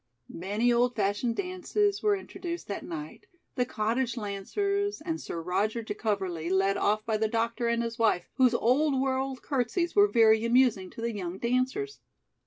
Many old fashioned dances were introduced that night: the cottage lancers, and Sir Roger de Coverly, led off by the doctor and his wife, whose old world curtseys were very amusing to the young dancers.